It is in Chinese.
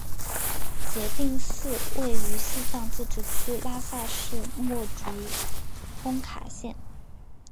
杰定寺位于西藏自治区拉萨市墨竹工卡县。